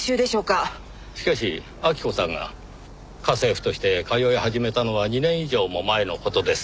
しかし晃子さんが家政婦として通い始めたのは２年以上も前の事です。